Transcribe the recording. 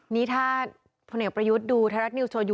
นี่ถ้าพลนิกประยุทธดูท้ายรัฐนิวโชยุเขสดุ้งแล้วนะ